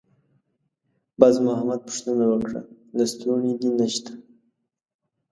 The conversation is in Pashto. باز محمد پوښتنه وکړه: «لستوڼی دې نشته؟»